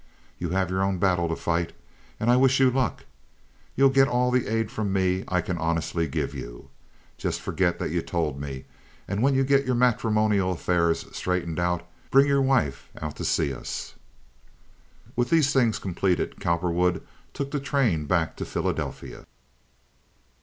You have your own battle to fight, and I wish you luck. You'll get all the aid from me I can honestly give you. Just forget that you told me, and when you get your matrimonial affairs straightened out bring your wife out to see us." With these things completed Cowperwood took the train back to Philadelphia.